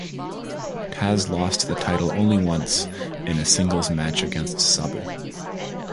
Taz lost the title only once, in a singles match against Sabu.